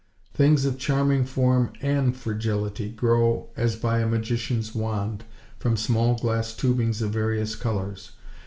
Things of charming form and fragility, grow as by a magician's wand, from small glass tubings of various colors.